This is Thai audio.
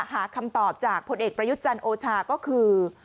หาคำตอบจากผลเอกประยุทธ์จันทร์โอชาก็คือ